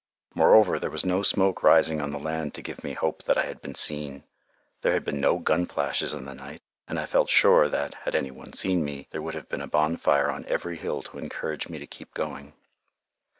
Moreover, there was no smoke rising on the land to give me hope that I had been seen. There had been no gun flashes in the night, and I felt sure that, had any one seen me, there would have been a bonfire on every hill to encourage me to keep going.